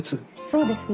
そうですね。